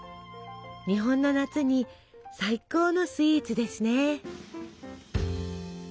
日本の夏に最高のスイーツですね！